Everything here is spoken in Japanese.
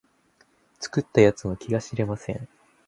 作った奴の気が知れません